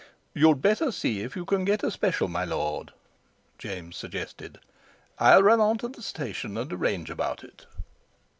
"You'd better see if you can get a special, my lord," James suggested; "I'll run on to the station and arrange about it."